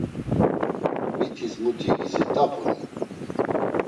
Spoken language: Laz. Mitis muti gizit̆apuni?